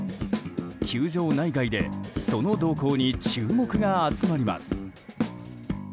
球場内外でその動向に注目が集まります。